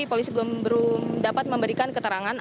polisi belum dapat memberikan keterangan